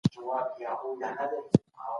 ایا د ځوانۍ په وخت کي ورزش کول زړبوډي ځنډوي؟